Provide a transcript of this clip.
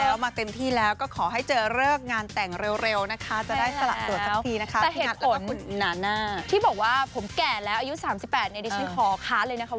วันนี้นัทเคยเจอนั่นหรือครับ